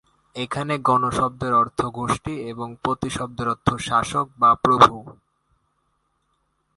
এখানে ‘গণ’ শব্দের অর্থ গোষ্ঠী এবং ‘পতি’ শব্দের অর্থ শাসক বা প্রভু।